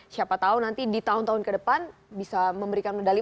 siapa tau nanti di tahun tahun kedepan bisa memberikan medali